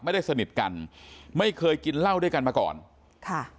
ไม่ได้สนิทกันไม่เคยกินเหล้าด้วยกันมาก่อนค่ะ